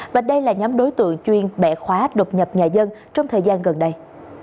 và đây là nhóm đối tượng chuyên bẻ khóa đột nhập nhà dân trong thời gian gần đây